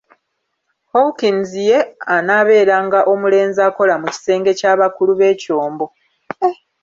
Hawkins ye anaabeeranga omulenzi akola mu kisenge ky'abakulu b'ekyombo.